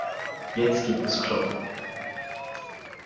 Jetzt gibt es Kloppe.